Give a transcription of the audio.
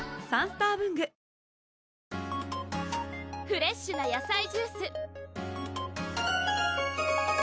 フレッシュな野菜ジュース！